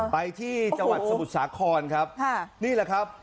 ไปที่จังหวัดสมุทรสาครครับนี่แหละครับ